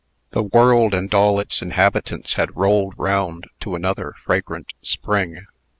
The world and all its inhabitants had rolled round to another fragrant spring.